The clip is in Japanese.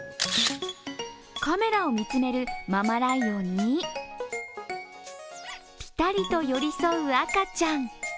カメラを見つめるママライオンに、ぴたりと寄り添う赤ちゃん。